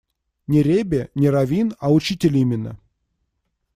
Не ребе, не раввин, а учитель именно.